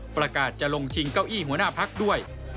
ประกาศจะลงชิงเก้าอี้หัวหน้าพักด้วย